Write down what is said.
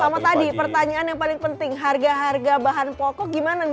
sama tadi pertanyaan yang paling penting harga harga bahan pokok gimana nih